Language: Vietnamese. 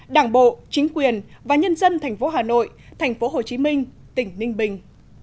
đảng bộ chính quyền và nhân dân thành phố hà nội thành phố hồ chí minh tỉnh ninh bình